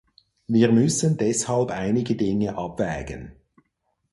Wir müssen deshalb einige Dinge abwägen.